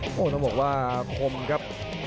โอ้โหต้องบอกว่าคมครับ